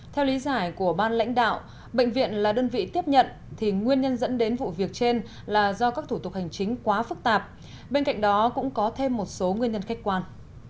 theo lý giải của ban lãnh đạo bệnh viện là đơn vị tiếp nhận thì nguyên nhân dẫn đến vụ việc trên là do các thủ tục hành chính quá phức tạp bên cạnh đó cũng có thêm một số nguyên nhân khách quan